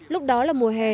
lúc đó là mùa hè